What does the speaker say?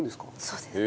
そうです。